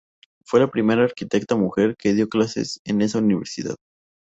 Fue la primera arquitecta mujer que dio clases en esa universidad.